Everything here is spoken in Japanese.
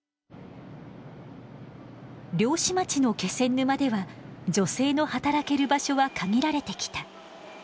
漁師町の気仙沼では女性の働ける場所は限られてきた。